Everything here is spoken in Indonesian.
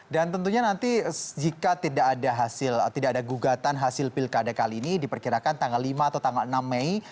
dan tentunya nanti jika tidak ada hasil tidak ada gugatan hasil pilkada kali ini diperkirakan tanggal lima atau tanggal enam mei